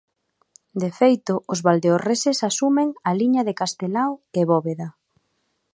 De feito, os valdeorreses asumen a liña de Castelao e Bóveda.